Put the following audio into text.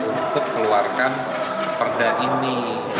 untuk keluarkan perda ini